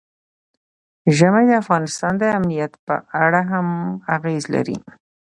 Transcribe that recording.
ژمی د افغانستان د امنیت په اړه هم اغېز لري.